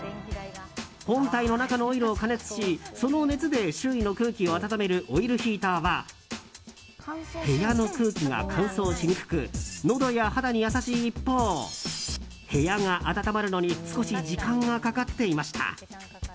本体の中のオイルを加熱しその熱で周囲の空気を暖めるオイルヒーターは部屋の空気が乾燥しにくくのどや肌に優しい一方部屋が暖まるのに少し時間がかかっていました。